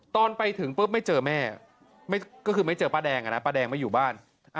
ตอนไปถึงปุ๊บไม่เจอแม่ก็คือไม่เจอป้าแดงป้าแดงไม่อยู่บ้าน